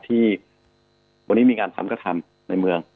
ที่วันนี้มีการทำกระทำในเมือง